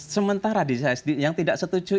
sementara yang tidak setuju